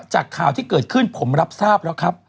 จากข่าวที่เกิดขึ้นผมรับทราบแล้วครับ